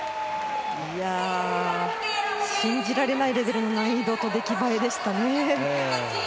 信じられないレベルの演技と出来栄えでしたね。